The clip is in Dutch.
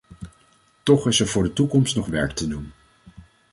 Toch is er voor de toekomst nog werk te doen.